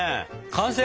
完成？